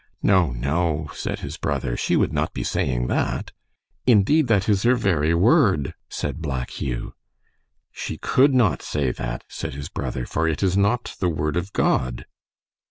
"No, no," said his brother. "She would not be saying that." "Indeed, that is her very word," said Black Hugh. "She could not say that," said his brother, "for it is not the Word of God."